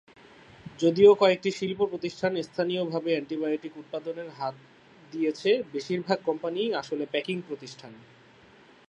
যদিও কয়েকটি শিল্প প্রতিষ্ঠান স্থানীয়ভাবে অ্যান্টিবায়োটিক উৎপাদনে হাত দিয়েছে বেশীরভাগ কোম্পানিই আসলে প্যাকিং প্রতিষ্ঠান।